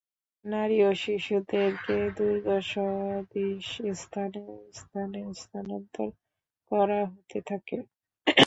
নারী ও শিশুদেরকে দূর্গ সদৃশ স্থানে স্থানে স্থানান্তর করা হতে থাকে।